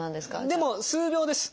でも数秒です。